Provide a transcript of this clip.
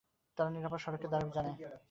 তারা নিরাপদ সড়কের দাবি জানায়।